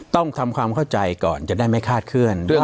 ต้องทำความเข้าใจก่อนจะได้ไม่คาดเคลื่อน